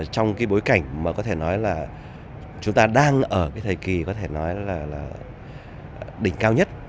trong cái bối cảnh mà có thể nói là chúng ta đang ở cái thời kỳ có thể nói là đỉnh cao nhất